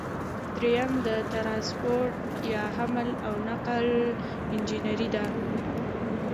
دریم د ټرانسپورټ یا حمل او نقل انجنیری ده.